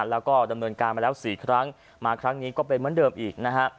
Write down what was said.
แล้วก็ดำเนินการมาแล้ว๔ครั้งมาครั้งนี้ก็เป็นเหมือนเดิมอีกนะฮะ